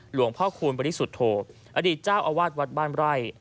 หลวงพ่อคูณบริสุทธโธอดีตเจ้าอาวาสวัดบ้านไร่